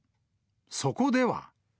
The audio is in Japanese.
そこでは。